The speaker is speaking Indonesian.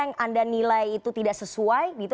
yang anda nilai itu tidak sesuai gitu